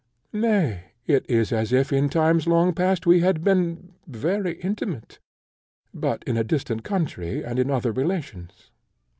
Nay, it is as if in times long past we had been very intimate, but in a distant country and in other relations.